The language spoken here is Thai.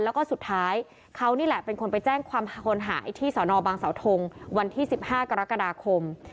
แล้วก็สุดท้ายเขานี่แหละเป็นคนไปแจ้งความคนหายที่สนบางเสาทงวันที่๑๕กรกฎาคม